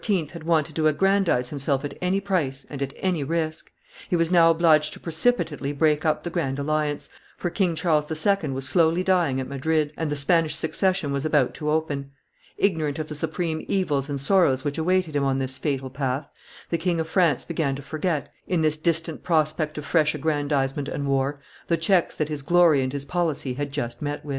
had wanted to aggrandize himself at any price and at any risk; he was now obliged to precipitately break up the grand alliance, for King Charles II. was slowly dying at Madrid, and the Spanish Succession was about to open. Ignorant of the supreme evils and sorrows which awaited him on this fatal path, the King of France began to forget, in this distant prospect of fresh aggrandizement and war, the checks that his glory and his policy had just met with.